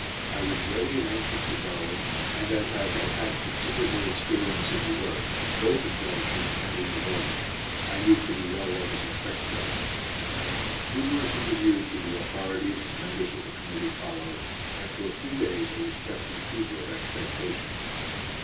I was ready and anxious to go, and as I had had considerable experience of the work, both in Belgium and in the Vosges, I knew pretty well what was expected of me. Numerous interviews with the authorities and members of the Committee followed, and for a few days I was kept in a fever of expectation.